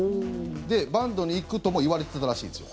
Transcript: で、バントに行くとも言われてたらしいんですよ。